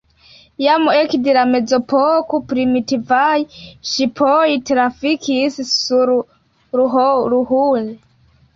Jam ekde la mezepoko primitivaj ŝipoj trafikis sur Ruhr.